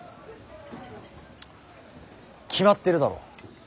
決まってるだろ。